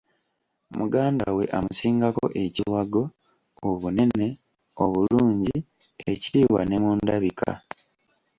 "Muganda we amusingako ekiwago, obunene, obulungi, ekitiibwa ne mu ndabika."